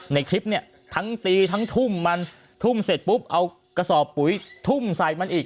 ในคลิปเนี่ยทั้งตีทั้งทุ่มมันทุ่มเสร็จปุ๊บเอากระสอบปุ๋ยทุ่มใส่มันอีก